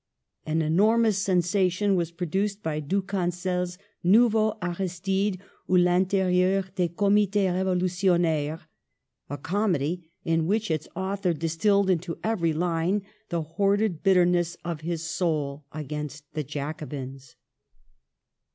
An enormous sensation was produced by Du cancel's NouveaUx Aristides, ou Vlntirieur des Comitis R&volutionnaireSy a comedy in which its author distilled into every line the hoarded bit terness of his soul against the Jacobins.